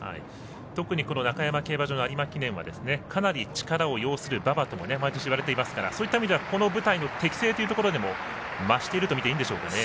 特に中山競馬場の有馬記念はかなりパワーのいる馬場と毎年言われてますからそういった意味ではこの舞台の適正という意味でも増しているといっていいんでしょうかね。